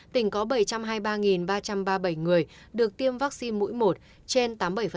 tỉnh có bảy trăm hai mươi ba ba trăm ba mươi bảy người được tiêm vaccine mũi một trên tám mươi bảy